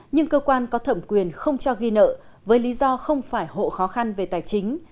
nhưng cơ quan có thẩm quyền không cho ghi nợ với lý do không phải hộ khó khăn về tài chính